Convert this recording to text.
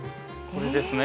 これですね。